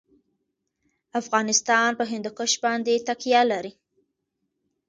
افغانستان په هندوکش باندې تکیه لري.